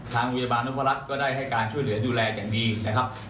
ทางโรงพยาบาลนพรัชก็ได้ให้การช่วยเหลือดูแลอย่างดีนะครับ